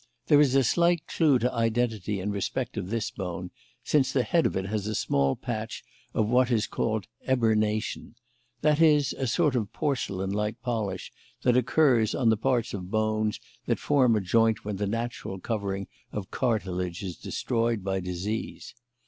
There is a slight clue to identity in respect of this bone, since the head of it has a small patch of what is called 'eburnation' that is a sort of porcelain like polish that occurs on the parts of bones that form a joint when the natural covering of cartilage is destroyed by disease.